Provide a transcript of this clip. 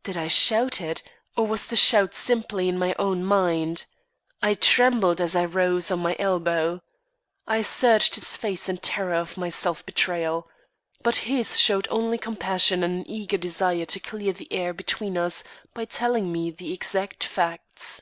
_" Did I shout it, or was the shout simply in my own mind? I trembled as I rose on my elbow. I searched his face in terror of my self betrayal; but his showed only compassion and an eager desire to clear the air between us by telling me the exact facts.